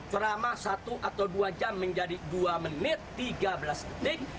selama satu atau dua jam menjadi dua menit tiga belas detik